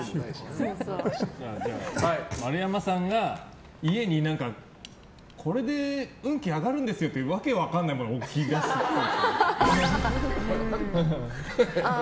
丸山さんが家に、これで運気上がるんですよっていう訳分かんないもの置き出すっぽい。